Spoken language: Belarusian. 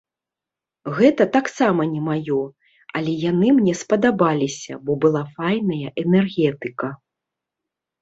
Гэта таксама не маё, але яны мне спадабаліся, бо была файная энергетыка.